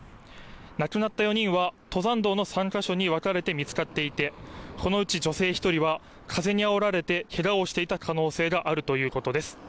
亡くなった４人は登山道の３か所に分かれて見つかっていてこのうち女性１人は風にあおられてけがをしていた可能性があるということです。